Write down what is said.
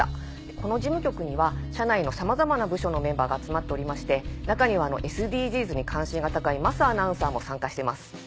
この事務局には社内のさまざまな部署のメンバーが集まっておりまして中にはＳＤＧｓに関心が高い桝アナウンサーも参加してます。